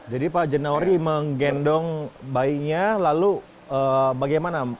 jadi pak jainuri menggendong bayinya lalu bagaimana